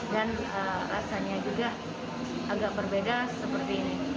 dan rasanya juga agak berbeda seperti ini